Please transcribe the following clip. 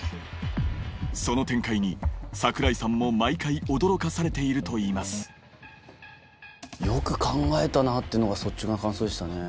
その展開に櫻井さんも毎回驚かされてると言いますよく考えたなっていうのが率直な感想でしたね。